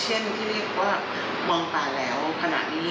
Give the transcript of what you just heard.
เช่นที่เรียกว่ามองตาแล้วขณะนี้